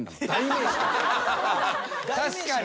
確かに。